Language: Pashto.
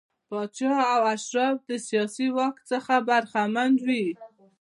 پاچا او اشراف له سیاسي واک څخه برخمن وي.